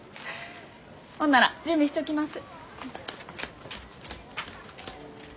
ほんなら準備しちょきます。